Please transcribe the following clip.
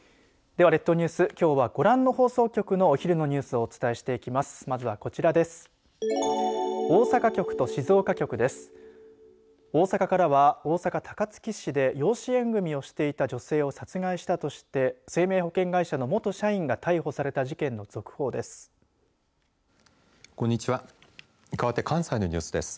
では列島ニュース、きょうはご覧の放送局のお昼のニュースをお伝えしていきます。